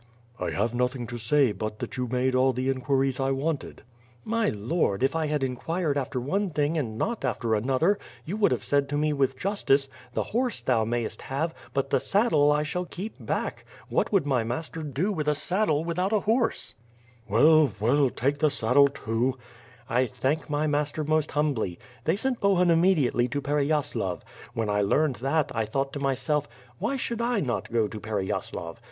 "1 have nothing to say, but that vou made all the inquiries T wanted." "Aiy lord, if I had inquired after one thing and not after another, you would have said to me with justice; 'The horso thou mayst have, but the saddle I shall keep back!' What would mv master do with a horse without a saddle?" "Well,* well, take the saddle too." "I thank my master most humbly. They sent Bohum im mediately to Pereyasilav. AVhen I learned that, I thought to myself, 'Why should I not go to Pereyaslav?'